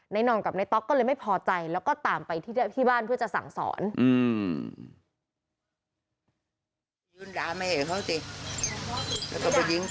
น่องกับนายต๊อกก็เลยไม่พอใจแล้วก็ตามไปที่บ้านเพื่อจะสั่งสอน